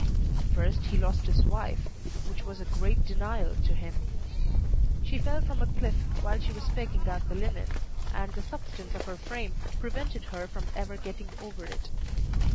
First he lost his wife, which was a "great denial" to him. She fell from a cliff while she was pegging out the linen, and the substance of her frame prevented her from ever getting over it.